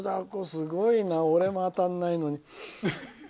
すごいな、俺も当たらないのに。